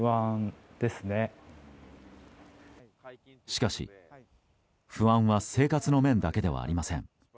しかし不安は生活の面だけではありません。